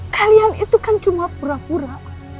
kalian itu kan cuma pura pura